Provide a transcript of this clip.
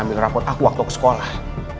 ambil rapun aku waktu aku ke sekolah